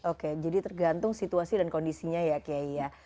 oke jadi tergantung situasi dan kondisinya ya